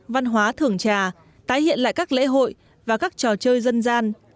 văn hóa thưởng trà tái hiện lại các lễ hội và các trò chơi dân gian